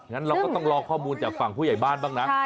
งั้นเราก็ต้องรอข้อมูลจากฝั่งผู้ใหญ่บ้านบ้างนะ